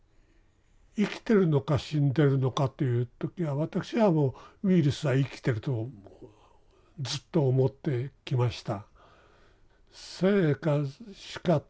生きてるのか死んでるのかという時は私はウイルスは生きてるとずっと思ってきました。